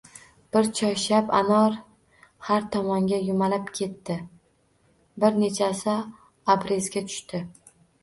Bir choyshab anor har tomonga yumalab ketdi, bir nechasi obrezga tushdi.